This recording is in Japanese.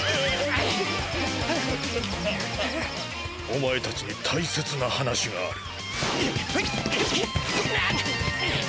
「お前たちに大切な話がある」。